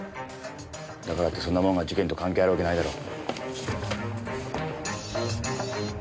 だからってそんなものが事件と関係あるわけないだろ。